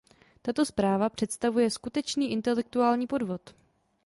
Tato zpráva představuje skutečný intelektuální podvod.